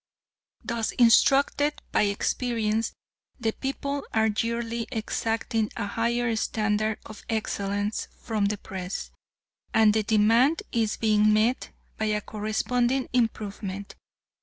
Thus instructed by experience, the people are yearly exacting a higher standard of excellence from the Press, and the demand is being met by a corresponding improvement.